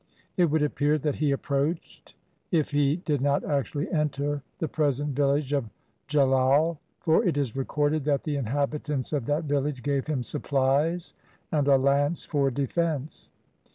It would appear that he approached, if he did not actually enter, the present village of Jalal, for it is recorded that the inhabitants of that village gave him supplies and a lance for defence.